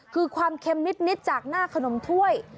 คือความเค็มนิดจากหน้าขนมถ้วย